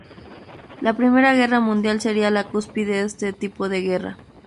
La Primera Guerra Mundial sería la cúspide de este tipo de guerra.